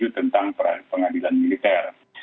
tentang pengadilan militer